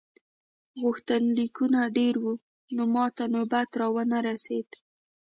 غوښتنلیکونه ډېر وو نو ماته نوبت را ونه رسیده.